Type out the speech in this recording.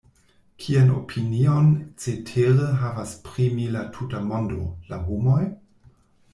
Kian opinion cetere havas pri mi la tuta mondo, la homoj?